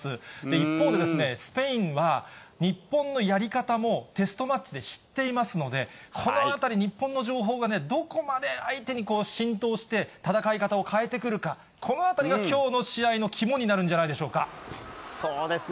一方で、スペインは、日本のやり方もテストマッチで知っていますので、このあたり、日本の情報がどこまで相手に浸透して、戦い方を変えてくるか、このあたりがきょうの試合の肝になるんじそうですね。